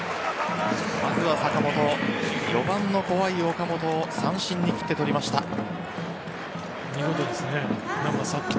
まずは坂本、４番の怖い岡本を三振に切って取りました。